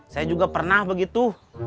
saya juga pernah begitu